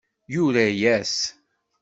Yura-yas.